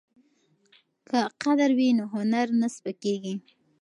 که قدر وي نو هنر نه سپکیږي.